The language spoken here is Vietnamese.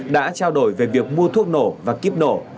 đã trao đổi về việc mua thuốc nổ và kíp nổ